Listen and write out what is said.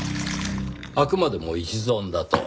あくまでも一存だと。